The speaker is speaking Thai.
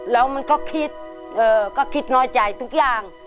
แล้วมันก็คิดก็คิดน้อยใจทุกอย่าง